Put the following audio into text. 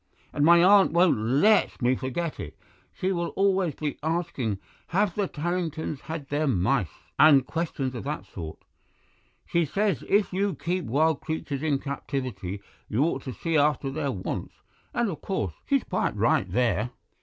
And my aunt won't LET me forget it; she will always be asking 'Have the Tarringtons had their mice?' and questions of that sort. She says if you keep wild creatures in captivity you ought to see after their wants, and of course she's quite right there."